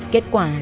kết quả là